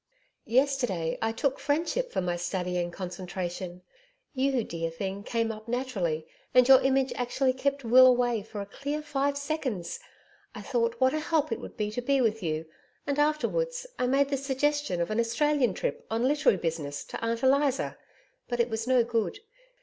Yesterday I took Friendship for my study in concentration. You, dear thing, came up, naturally, and your image actually kept Will away for a clear five seconds. I thought what a help it would be to be with you, and afterwards I made the suggestion of an Australian trip on literary business to Aunt Eliza, but it was no good.